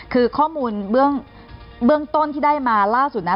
คือข้อมูลเบื้องต้นที่ได้มาล่าสุดนะ